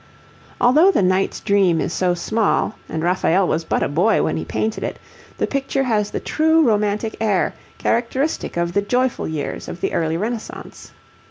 Although the 'Knight's Dream' is so small, and Raphael was but a boy when he painted it, the picture has the true romantic air, characteristic of the joyful years of the early Renaissance.